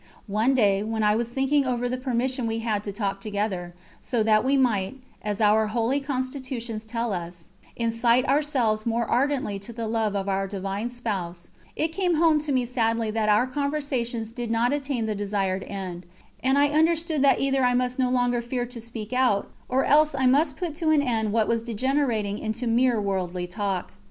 One day when I was thinking over the permission we had to talk together, so that we might as our holy constitutions tells us incite ourselves more ardently to the love of our Divine Spouse, it came home to me sadly that our conversations did not attain the desired end; and I understood that either I must no longer fear to speak out, or else I must put an end to what was degenerating into mere worldly talk.